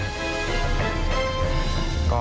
อันดับสุดท้ายของพี่รัตติว